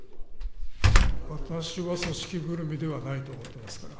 私は組織ぐるみではないと思っていますから。